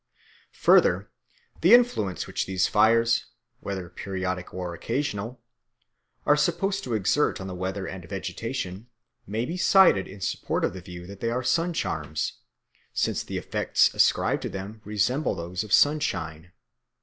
Further, the influence which these fires, whether periodic or occasional, are supposed to exert on the weather and vegetation may be cited in support of the view that they are sun charms, since the effects ascribed to them resemble those of sunshine.